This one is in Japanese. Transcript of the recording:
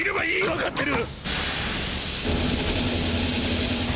わかってる！！